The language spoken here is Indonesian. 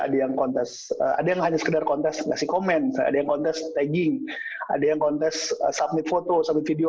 ada yang kontes ada yang hanya sekedar kontes ngasih komen ada yang kontes tagging ada yang kontes submit foto submit video